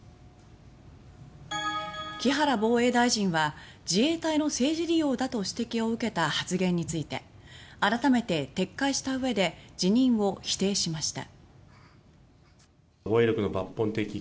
木原防衛大臣は自衛隊の政治利用だと指摘を受けた発言について改めて、撤回したうえで辞任を否定しました。